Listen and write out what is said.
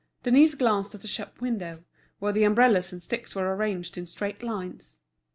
Denise glanced at the shop window, where the umbrellas and sticks were arranged in straight lines.